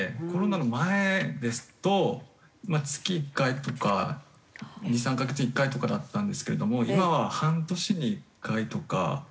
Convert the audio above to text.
コロナの前ですと月１回とか２３カ月に１回とかだったんですけれども今は半年に１回とか。